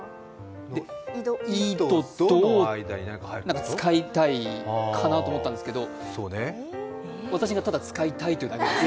何か使いたいかなと思ったんですけど、私がただ使いたいというだけです。